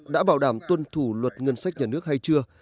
đã bảo đảm tuân thủ luật ngân sách nhà nước hay chưa